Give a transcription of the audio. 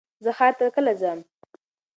زه ښار ته کله ځم؟